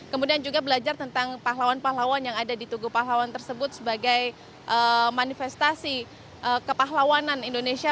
kemudian juga belajar tentang pahlawan pahlawan yang ada di tugu pahlawan tersebut sebagai manifestasi kepahlawanan indonesia